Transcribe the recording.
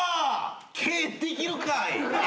経営できるかい！？